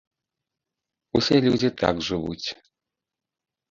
Усе людзі так жывуць.